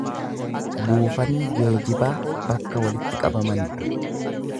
Buufanni geejibaa bakka walitti qabaman dha.